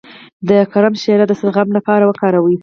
د کرم شیره د زخم لپاره وکاروئ